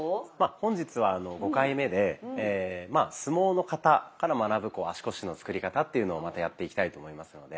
本日は５回目で「相撲の型から学ぶ足腰のつくり方」っていうのをまたやっていきたいと思いますので。